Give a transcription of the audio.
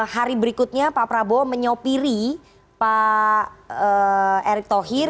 hari berikutnya pak prabowo menyopiri pak erick thohir